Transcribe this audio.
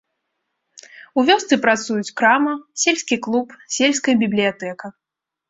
У вёсцы працуюць крама, сельскі клуб, сельская бібліятэка.